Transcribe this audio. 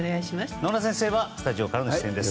野村先生はスタジオからの出演です。